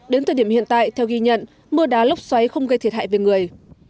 đến thời điểm hiện tại theo ghi nhận mưa đá lốc xoáy không gây thiệt hại về người